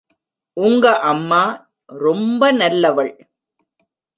உங்க அம்மா ரொம்ப நல்லவள்.